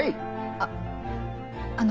あっあの